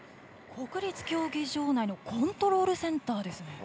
国立競技場内のコントロールセンターですね。